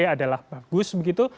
adalah bagus begitu